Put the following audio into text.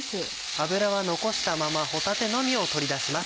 油は残したまま帆立のみを取り出します。